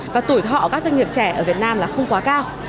và tuổi thọ các doanh nghiệp trẻ ở việt nam là không quá cao